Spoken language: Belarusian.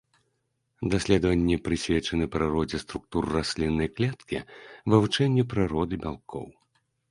Даследаванні прысвечаны прыродзе структур расліннай клеткі, вывучэнню прыроды бялкоў.